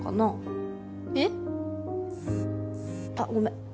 えっ？あっごめん。